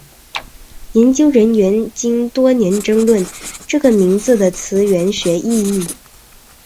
研究人员经多年争论这个名字的词源学意义。